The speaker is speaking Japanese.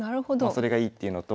それがいいっていうのと。